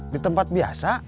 di tempat biasa